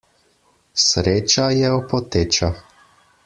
Sreča je opoteča.